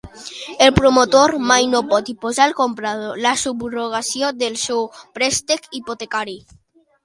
El promotor mai no pot imposar al comprador la subrogació del seu préstec hipotecari.